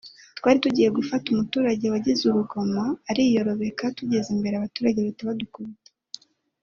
twari tugiye gufata umuturage wagize urugomo ariyorobeka tugeze imbere abaturage bahita badukubita